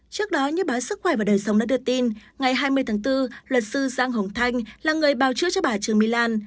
trước đó như báo sức khỏe và đời sống đã đưa tin ngày hai mươi tháng bốn luật sư giang hồng thanh là người bào chữa cho bà trương mỹ lan